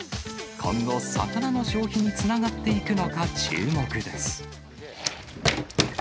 今後、魚の消費につながっていくのか注目です。